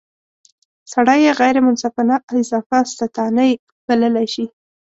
سړی یې غیر منصفانه اضافه ستانۍ بللای شي.